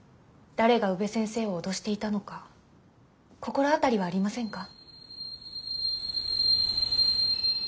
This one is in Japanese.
誰が宇部先生を脅していたのか心当たりはありませんか？